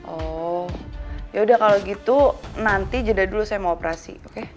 oh yaudah kalau gitu nanti jeda dulu saya mau operasi oke